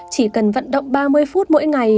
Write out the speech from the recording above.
chỉ cần vận động ba mươi phút mỗi ngày